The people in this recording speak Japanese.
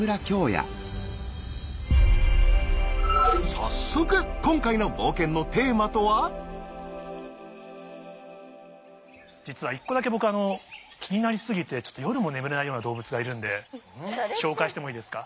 早速今回の実は１個だけ僕気になり過ぎてちょっと夜も眠れないような動物がいるんで紹介してもいいですか？